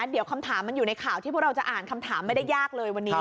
เดี๋ยวคำถามมันอยู่ในข่าวที่พวกเราจะอ่านคำถามไม่ได้ยากเลยวันนี้